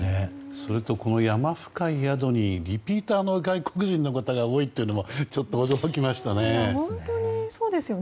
それと、この山深い宿にリピーターの外国人の方が多いっていうのもちょっと驚きましたね。